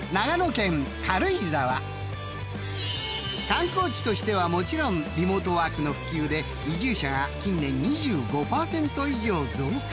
［観光地としてはもちろんリモートワークの普及で移住者が近年２５％以上増加］